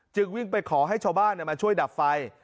วิ่งไปขอให้ชาวบ้านมาช่วยดับไฟ